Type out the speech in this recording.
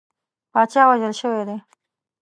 پاچا وژل شوی دی.